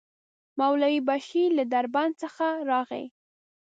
مولوي بشير له دربند څخه راغی.